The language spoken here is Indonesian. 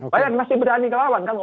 bayangin masih berani kelawan kan